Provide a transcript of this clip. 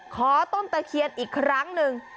ขอต้นตะเคียนอีกครั้งหนึ่ง